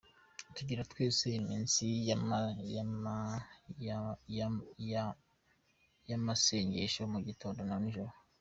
Tugira twese iminsi ya masengesho mu gitondo na ninjoro.